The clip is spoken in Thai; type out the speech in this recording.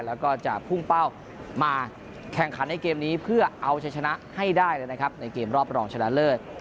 แล้วก็จะพุ่งเป้ามาแข่งขันในเกมนี้เพื่อเอาชัยชนะให้ได้เลยนะครับในเกมรอบรองชนะเลิศ